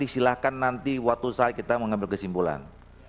silahkan nanti waktu saya kita mau ngambil kesimpulan